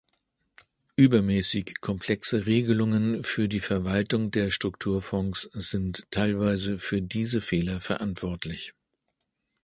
Übermäßig komplexe Regelungen für die Verwaltung der Strukturfonds sind teilweise für diese Fehler verantwortlich.